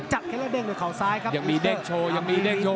แค่แล้วเด้งด้วยเขาซ้ายครับยังมีเด้งโชว์ยังมีเด้งโชว์